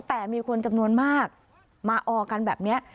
แต่มีคนจำนวนมากมาออกันแบบนี้